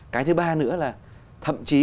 cái thứ ba nữa là thậm chí